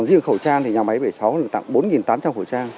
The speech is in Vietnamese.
riêng khẩu trang thì nhà máy bảy mươi sáu được tặng bốn tám trăm linh khẩu trang